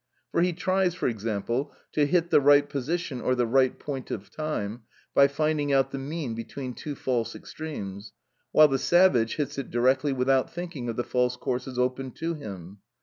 For he tries, for example, to hit the right position or the right point of time, by finding out the mean between two false extremes; while the savage hits it directly without thinking of the false courses open to him.